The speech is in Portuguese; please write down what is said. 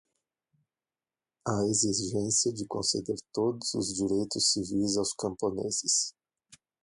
à exigência de conceder todos os direitos civis aos camponeses